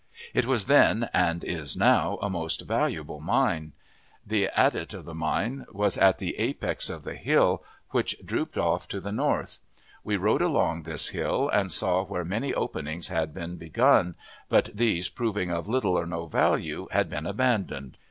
It was then, and is now, a most valuable mine. The adit of the mine was at the apex of the hill, which drooped off to the north. We rode along this hill, and saw where many openings had been begun, but these, proving of little or no value, had been abandoned.